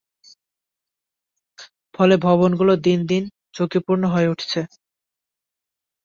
ফলে ভবনগুলো দিন দিন ঝুঁকিপূর্ণ হয়ে উঠছে।